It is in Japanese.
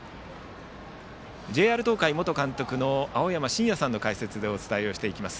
ＪＲ東海元監督の青山眞也さんの解説でお伝えをしていきます。